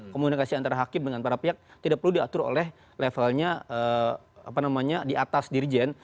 komunikasi antara hakim dengan para pihak tidak perlu diatur oleh levelnya di atas dirjen